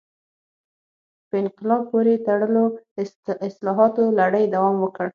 په انقلاب پورې تړلو اصلاحاتو لړۍ دوام وکړ.